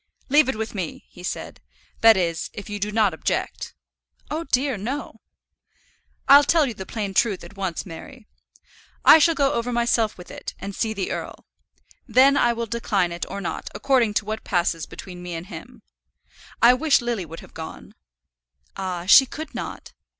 "Leave it with me," he said; "that is, if you do not object." "Oh dear, no!" "I'll tell you the plain truth at once, Mary. I shall go over myself with it, and see the earl. Then I will decline it or not, according to what passes between me and him. I wish Lily would have gone." "Ah! she could not."